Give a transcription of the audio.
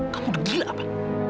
kamu udah gila apa